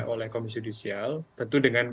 oleh komisi judisial tentu dengan